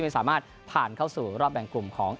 สามารถผ่านเข้าสู่รอบแบ่งกลุ่มของ